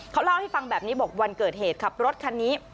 เขาเล่าให้ฟังแบบนี้บอกวันเกิดเหตุขับรถคันนี้